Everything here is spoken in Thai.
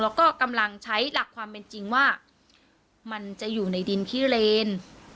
แล้วก็กำลังใช้หลักความเป็นจริงว่ามันจะอยู่ในดินขี้เลน